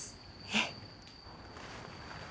えっ！？